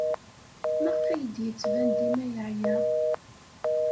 Maɣef ay d-yettban dima yeɛya?